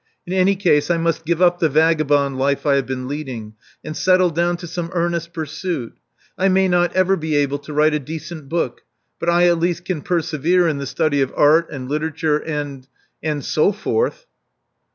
In any case I must give up the vagabond life I have been leading, and settle down to some earnest pursuit. I may not ever be able to write a decent book ; but I at least can persevere in the study of Art and literature and — and so forth."